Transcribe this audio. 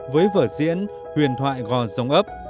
với vở diễn huyền thoại gòn dông ấp